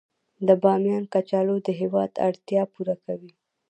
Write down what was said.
د بامیان کچالو د هیواد اړتیا پوره کوي